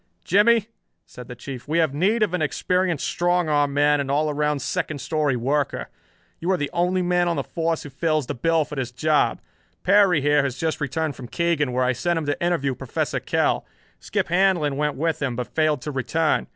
"Jimmie," said the Chief, "we have need of an experienced strong arm man and all around second story worker. You are the only man on the force who fills the bill for this job. Perry here has just returned from Keegan, where I sent him to interview Professor Kell. Skip Handlon went with him, but failed to return.